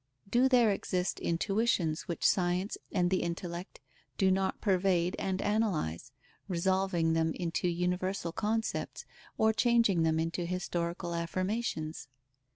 Do there exist intuitions which science and the intellect do not pervade and analyse, resolving them into universal concepts, or changing them into historical affirmations?